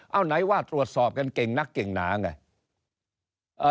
เอาไหนว่าตรวจสอบกันเก่งนักเก่งหนาไง